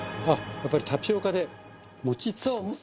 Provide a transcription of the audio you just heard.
やっぱりタピオカでもちっとしてます。